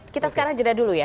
kita sekarang jeda dulu ya